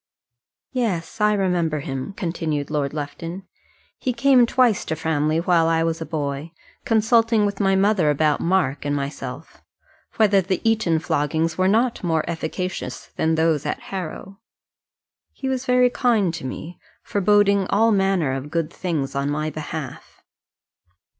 "Yes: I remember him," continued Lord Lufton. "He came twice to Framley while I was a boy, consulting with my mother about Mark and myself, whether the Eton floggings were not more efficacious than those at Harrow. He was very kind to me, foreboding all manner of good things on my behalf."